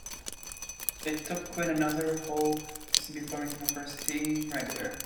It took Quinn another whole season before he became a first team regular.